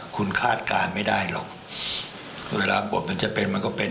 คุณคาดการณ์ไม่ได้หรอกเวลาบทมันจะเป็นมันก็เป็น